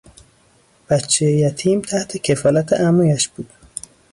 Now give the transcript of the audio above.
بچهی یتیم تحت کفالت عمویش بود.